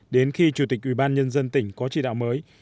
đến khi chủ tịch ủy ban nhân dân tỉnh có chỉ đạo mới